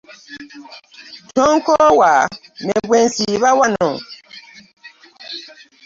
Tonkoowa ne bwe nsiiba wano?